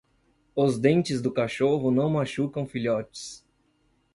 Os dentes do cachorro não machucam filhotes.